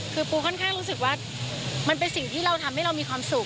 คือปูค่อนข้างรู้สึกว่ามันเป็นสิ่งที่เราทำให้เรามีความสุข